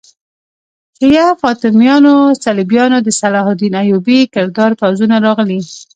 شیعه فاطمیانو، صلیبیانو، د صلاح الدین ایوبي کردانو پوځونه راغلي.